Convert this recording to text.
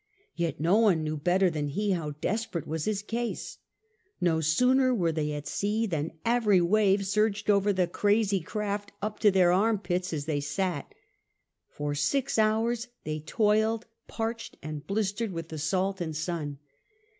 Yet no one knew better than he how desperate was his case. No sooner were they at sea than every wave surged over the crazy raft up to their arm pits as they sat For six hours they toiled, parched and blistered with the salt and sun.